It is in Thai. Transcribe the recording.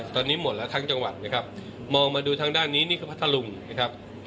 ตอนนี้หมดแล้วทั้งจังหวัดนะครับมองมาดูทางด้านนี้นี่คือพัทธลุงนะครับ